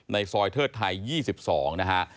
ในซอยเทิดไทย๒๒นะฮะ